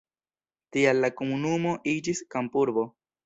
Tial la komunumo iĝis kampurbo.